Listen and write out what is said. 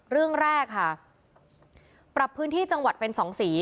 เรื่องแรกค่ะปรับพื้นที่จังหวัดเป็นสองสี